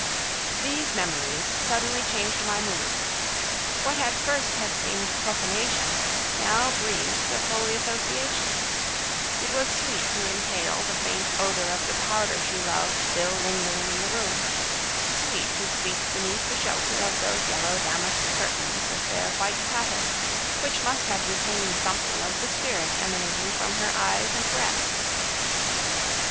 These memories suddenly changed my mood. What at first had seemed profanation, now breathed of holy association. It was sweet to inhale the faint odor of the powder she loved still lingering in the room; sweet to sleep beneath the shelter of those yellow damask curtains with their white pattern, which must have retained something of the spirit emanating from her eyes and breath.